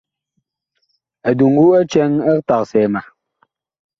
Eduŋgu ɛ cɛŋ ɛg tagsɛɛ ma.